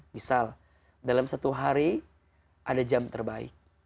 misal dalam satu hari ada jam terbaik